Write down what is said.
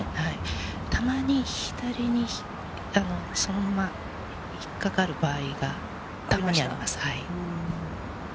たまに左にそのまま引っかかる場合がたまにあります。